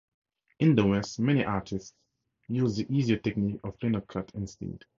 In the West, many artists used the easier technique of linocut instead.